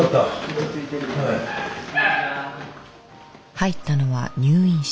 入ったのは入院室。